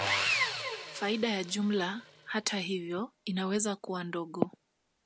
Faida ya jumla, hata hivyo, inaweza kuwa ndogo.